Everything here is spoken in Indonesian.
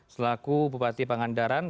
selaku bupati pangandaran